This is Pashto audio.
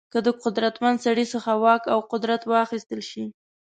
که د قدرتمن سړي څخه واک او قدرت واخیستل شي.